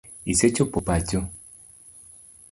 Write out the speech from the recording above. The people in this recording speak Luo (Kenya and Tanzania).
Isechopo pacho ?